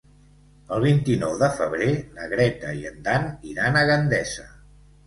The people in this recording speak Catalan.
El vint-i-nou de febrer na Greta i en Dan iran a Gandesa.